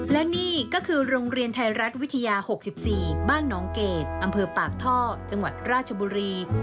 และนี่ก็คือโรงเรียนไทยรัฐวิทยา๖๔บ้านน้องเกดอำเภอปากท่อจังหวัดราชบุรี